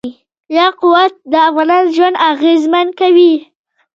یاقوت د افغانانو ژوند اغېزمن کوي.